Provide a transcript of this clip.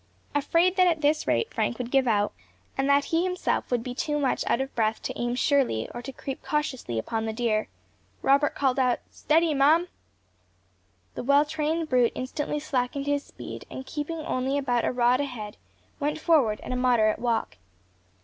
Afraid that at this rate Frank would give out, and that he himself would be too much out of breath to aim surely, or to creep cautiously upon the deer, Robert called out, "Steady, Mum!" The well trained brute instantly slackened his speed, and keeping only about a rod ahead, went forward at a moderate walk.